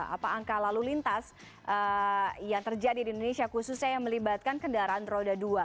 apa angka lalu lintas yang terjadi di indonesia khususnya yang melibatkan kendaraan roda dua